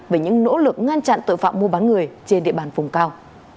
về những nỗ lực ngăn chặn tội phạm mua bán người trên địa bàn vùng cao